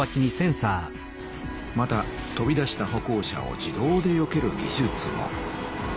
また飛び出した歩行者を自動でよける技術も。